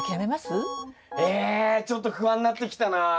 えちょっと不安になってきたな。